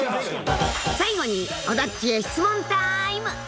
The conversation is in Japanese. ［最後に尾田っちへ質問ターイム！］